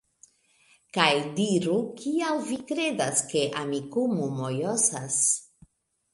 Kaj diru kial vi kredas, ke Amikumu mojosas